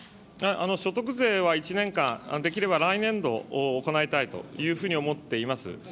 所得税は１年間、できれば来年度、行いたいというふうに思っています。